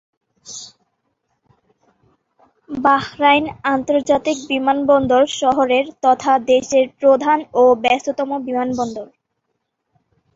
Bahrain আন্তর্জাতিক বিমানবন্দর শহরের তথা দেশের প্রধান ও ব্যস্ততম বিমানবন্দর।